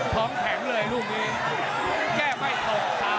โหโหโหโห